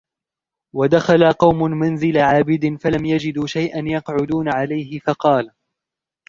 وَدَخَلَ قَوْمٌ مَنْزِلَ عَابِدٍ فَلَمْ يَجِدُوا شَيْئًا يَقْعُدُونَ عَلَيْهِ فَقَالَ